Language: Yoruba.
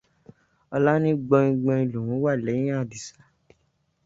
Ọlá ní gbọin-gbọin lòun wà lẹ́yìn Àdìsá.